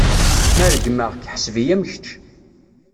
Ma regmeɣ-k, ḥseb-iyi am kečč.